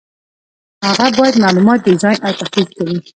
هغه باید معلومات ډیزاین او تحلیل کړي.